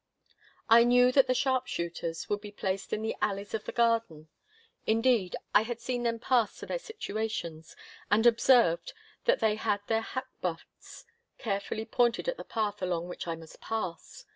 I knew that the sharpshooters would be placed in the alleys of the garden. Indeed, I had seen them pass to their situations, and observed that they had their hackbutts carefully pointed at the path along which I must pass.